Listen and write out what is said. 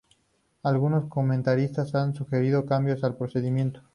Algunos comentaristas han sugerido cambios al procedimiento.